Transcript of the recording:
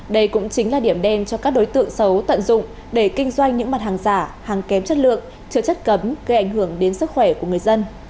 đây cũng chính là điểm đen cho các đối tượng xấu tận dụng để kinh doanh những mặt hàng giả hàng kém chất lượng chờ chất cấm gây ảnh hưởng đến sức khỏe của người dân